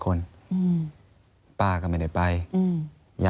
อันดับ๖๓๕จัดใช้วิจิตร